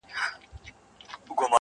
اور دي په کلي مرګ دي په خونه -